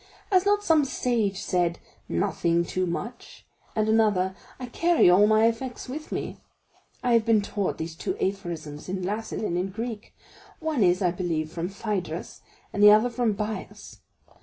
Has not some sage said, 'Nothing too much'? and another, 'I carry all my effects with me'? I have been taught these two aphorisms in Latin and in Greek; one is, I believe, from Phædrus, and the other from Bias.